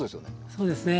そうですね。